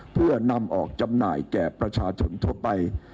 เพื่อนำออกจำหน่ายแก่ประชาชนทั่วไป